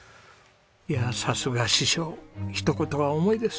いやさすが師匠ひと言が重いです。